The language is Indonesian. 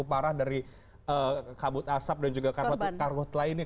itu parah dari kabut asap dan juga karbut lainnya